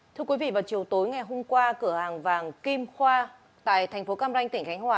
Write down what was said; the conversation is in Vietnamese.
thưa quý vị vào chiều tối ngày hôm qua cửa hàng vàng kim khoa tại thành phố cam ranh tỉnh khánh hòa